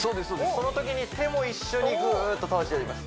そのときに手も一緒にぐーっと倒していきます